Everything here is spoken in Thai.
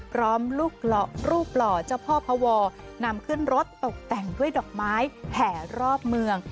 พร้อมรูปหล่อเจ้าพ่อพวนำขึ้นรถตกแต่งด้วยดอกไม้แห่รอบเมือง